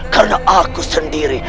karena aku sendiri